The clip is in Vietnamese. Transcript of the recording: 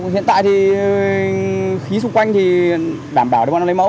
hiện tại thì khí xung quanh thì đảm bảo đều có lấy mẫu